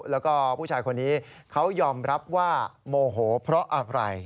แล้วก็ผู้ชายคนนี้เขายอมรับว่าโมโหเพราะอะไร